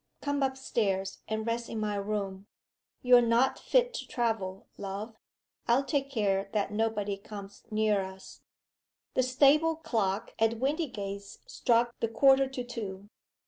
"Come up stairs and rest in my room. You're not fit to travel, love. I'll take care that nobody comes near us." The stable clock at Windygates struck the quarter to two.